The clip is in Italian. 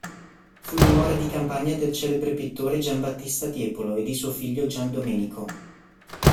Fu dimora di campagna del celebre pittore Giambattista Tiepolo e di suo figlio Giandomenico.